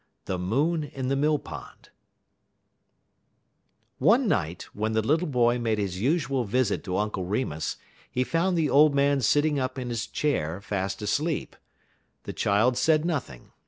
XIX THE MOON IN THE MILL POND One night when the little boy made his usual visit to Uncle Remus, he found the old man sitting up in his chair fast asleep. The child said nothing.